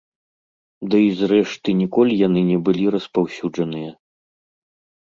Дый, зрэшты, ніколі яны не былі распаўсюджаныя.